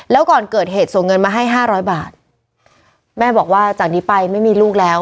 แล้วก่อนเกิดเหตุส่งเงินมาให้ห้าร้อยบาทแม่บอกว่าจากนี้ไปไม่มีลูกแล้ว